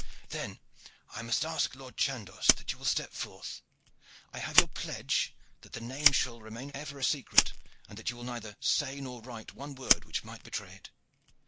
"Then I must ask, Lord Chandos, that you will step forth. I have your pledge that the name shall remain ever a secret, and that you will neither say nor write one word which might betray it.